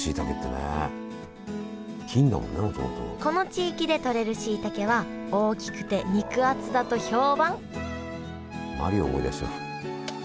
この地域でとれるしいたけは大きくて肉厚だと評判マリオ思い出しちゃう。